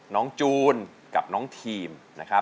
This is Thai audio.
จูนกับน้องทีมนะครับ